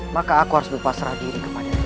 maka aku harus berpasrah diri kepada allah